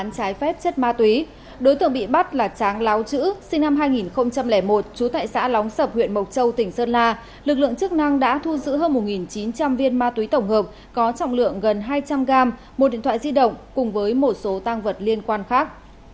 chú tại xã lóng sập huyện mộc châu tỉnh sơn la lực lượng chức năng đã thu giữ hơn một chín trăm linh viên ma túy tổng hợp có trọng lượng gần hai trăm linh gram một điện thoại di động cùng với một số tăng vật liên quan khác